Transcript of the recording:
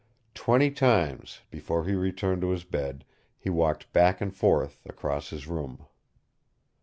Twenty times, before he returned to his bed, he walked back and forth across his room.